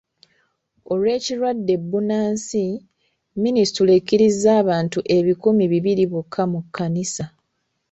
Olw'ekirwadde bbunansi, minisitule ekkiriza abantu ebikumi bibiri bokka mu kkanisa.